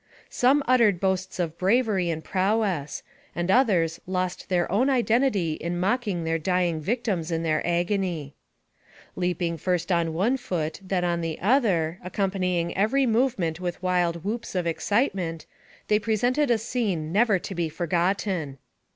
Some uttered boasts of bravery and prowess, and others lost their own identity in mocking their dying victims in their agony. Leaping first on one foot, then on the other, accom panying every movement with wild whoops of excite ment, they presented a scene never to be forgotten.